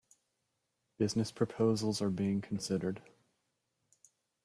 Business proposals are being considered.